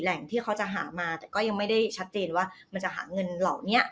ที่เขาจะหามาแต่ก็ยังไม่ได้ชัดเจนว่ามันจะหาเงินเหล่านี้